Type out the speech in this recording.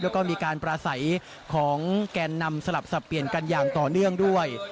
แล้วก็มีการปราศัยของแกนนำสลับสับเปลี่ยนกันอย่างต่อเนื่องด้วย